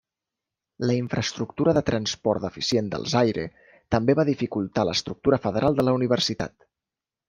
La infraestructura de transport deficient del Zaire també va dificultar l'estructura federal de la universitat.